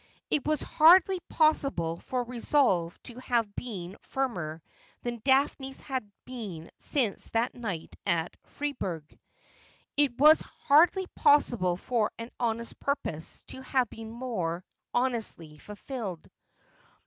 It was hardly possible for resolve to have been firmer than Daphne's had been since that night at Fribourg. It was hardly possible for an honest purpose to have been more honestly fulfilled.